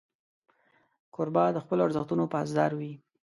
کوربه د خپلو ارزښتونو پاسدار وي.